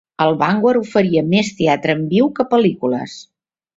El Vanguard oferia més teatre en viu que pel·lícules.